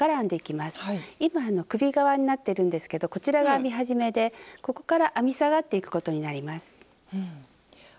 今首側になってるんですけどこちらが編み始めでここから編み下がっていくことになります。